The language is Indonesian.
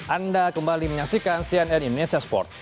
anda kembali menyaksikan cnn indonesia sport